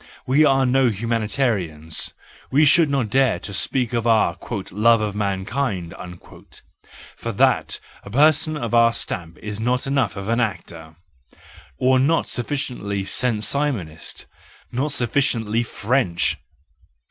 We are no humanitarians; we should not dare to speak of our " love of mankind "; for that, a person of our stamp is not enough of an actor! Or not sufficiently Saint Simonist, not sufficiently French.